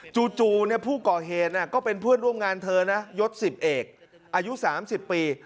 จู่ผู้ก่อเหตุก็เป็นเพื่อนร่วมงานเธอนะยศ๑๐เอกอายุ๓๐ปี